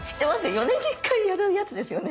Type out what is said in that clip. ４年に１回やるやつですよね。